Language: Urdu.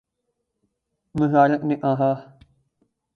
وزارت نے کہا